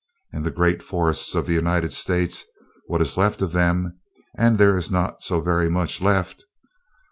And the great forests of the United States, what is left of them and there is not so very much left.